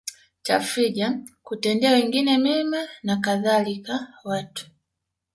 tafrija kutendea wengine mema na kadhalika Watu